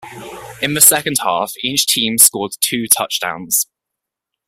In the second half, each team scored two touchdowns.